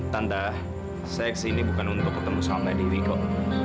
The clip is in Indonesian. tante saya ke sini bukan untuk bertemu sama dewi kok